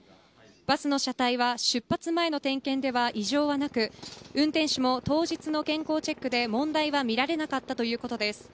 バスの車体は出発前の点検では異常はなく運転手も当日の健康チェックで問題は見られなかったということです。